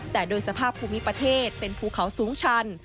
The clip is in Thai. แต่โดยสภาพภูมิประเทศเป็นภูเขาสูงชัน